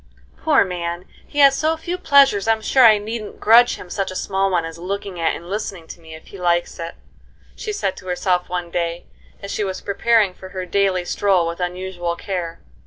"Poor man, he has so few pleasures I'm sure I needn't grudge him such a small one as looking at and listening to me if he likes it," she said to herself one day, as she was preparing for her daily stroll with unusual care.